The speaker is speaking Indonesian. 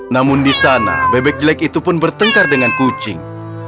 namun di sana bebek jelek itu pun bertengkar dengan kucing